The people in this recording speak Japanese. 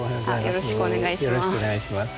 よろしくお願いします。